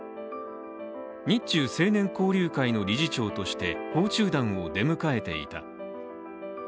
日中青年交流会の理事長として訪中団を出迎えていた。